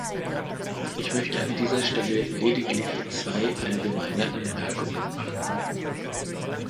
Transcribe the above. Ich möchte an dieser Stelle lediglich zwei allgemeine Anmerkungen machen.